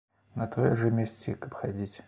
На тое ж і мясці, каб хадзіць.